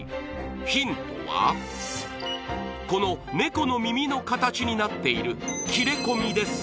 ヒントはこのネコの耳の形になっている切れ込みです